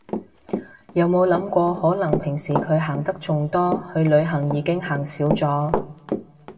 有冇諗過可能平時佢行得仲多，去旅行已經行少咗